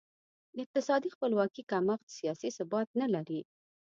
د اقتصادي خپلواکي کمښت سیاسي ثبات نه لري.